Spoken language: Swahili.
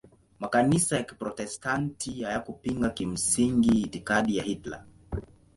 Makanisa ya Kiprotestanti hayakupinga kimsingi itikadi ya Hitler.